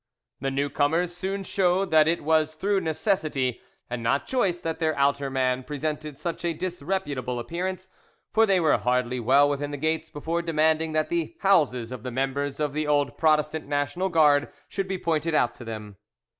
The new comers soon showed that it was through necessity and not choice that their outer man presented such a disreputable appearance; for they were hardly well within the gates before demanding that the houses of the members of the old Protestant National Guard should be pointed out to them.